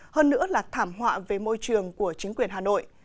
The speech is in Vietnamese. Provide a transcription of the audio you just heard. hơn nữa là thảm họa về môi trường của chính quyền hà nội